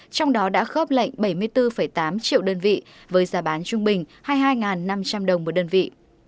trong đó đã khớp lệnh bảy mươi bốn tám triệu đơn vị với giá bán trung bình hai mươi hai năm trăm linh đồng một đơn vị